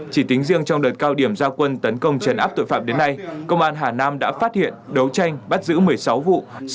chỉ tính riêng trong đợt cao điểm giao quân tấn công chấn áp tội phạm đến nay công an hà nam đã phát hiện đấu tranh bắt giữ một mươi sáu vụ